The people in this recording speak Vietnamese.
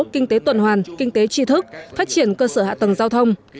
kinh tế tuần hoàn kinh tế tri thức phát triển cơ sở hạ tầng giao thông